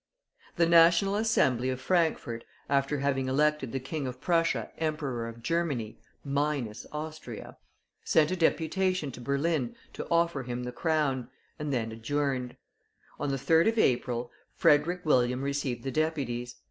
The National Assembly of Frankfort, after having elected the King of Prussia Emperor of Germany (minus Austria), sent a deputation to Berlin to offer him the crown, and then adjourned. On the 3rd of April, Frederick William received the deputies.